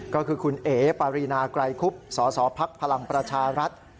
ก็คือคุณเอ๋ปารีนาไกรคุบสสพลังประชารัฐ